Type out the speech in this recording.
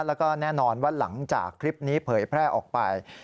แล้วก็แน่นอนว่าหลังจากคลิปนี้เผยแพร่ออกไป